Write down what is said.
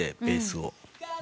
ベースを。